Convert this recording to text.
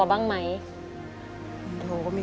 มีใครจะยอมที่พอ